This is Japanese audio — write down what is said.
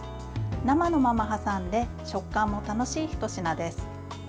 生のまま挟んで食感も楽しいひと品です。